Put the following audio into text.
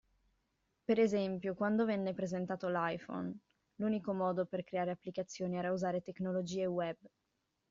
Per esempio, quando venne presentato l'iPhone, l'unico modo per creare applicazioni era usare tecnologie web.